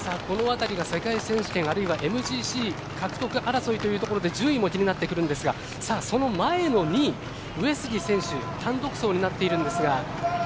この辺りが世界選手権あるいはＭＧＣ獲得争いというところで順位も気になってくるんですがその前の２位上杉選手単独走になっているんですが。